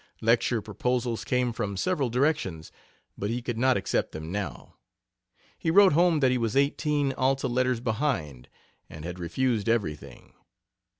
Lecture proposals came from several directions, but he could not accept them now. He wrote home that he was eighteen Alta letters behind and had refused everything.